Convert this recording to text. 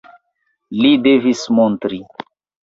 Li devis montri.